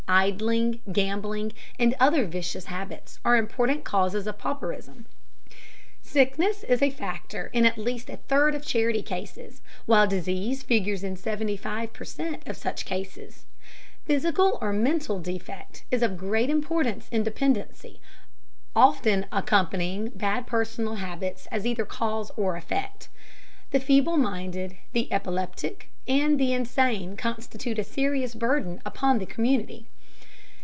Idling, gambling, and other vicious habits are important causes of pauperism. Sickness is a factor in at least a third of charity cases, while disease figures in seventy five per cent of such cases. Physical or mental defect is of great importance in dependency, often accompanying bad personal habits as either cause or effect. The feeble minded, the epileptic, and the insane constitute a serious burden upon the community.